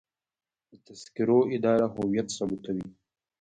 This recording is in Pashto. د تذکرو اداره هویت ثبتوي